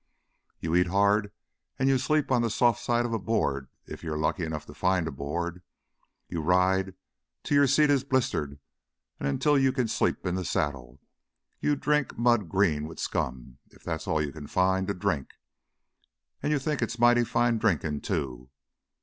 "You eat hard and you sleep on the soft side of a board if you're lucky enough to find a board. You ride till your seat is blistered and until you can sleep in the saddle. You drink mud green with scum if that's all you can find to drink, and you think it's mighty fine drinkin', too.